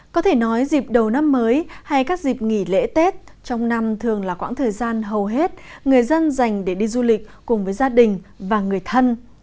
có thể nói dịp đầu năm mới hay các dịp nghỉ lễ tết trong năm thường là khoảng thời gian hầu hết người dân dành để đi du lịch cùng với gia đình và người thân